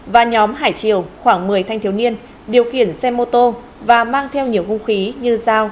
và nhóm hải triều khoảng một mươi thanh thiếu niên điều khiển xe mô tô và mang theo nhiều hung khí như dao